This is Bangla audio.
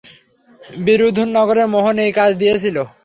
বিরুধুনগরের মোহন এই কাজ দিয়েছিল।